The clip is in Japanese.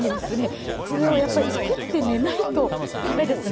これをやっぱり作って寝ないと駄目ですね